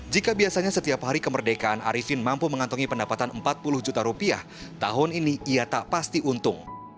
jika biasanya setiap hari kemerdekaan arifin mampu mengantongi pendapatan empat puluh juta rupiah tahun ini ia tak pasti untung